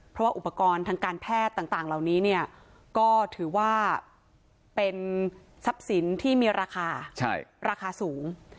เพราะว่าอุปกรณ์ทางการแพทย์ต่างเหล่านี้เนี่ยก็ถือว่าเป็นทรัพย์สินที่มีราคาราคาสูง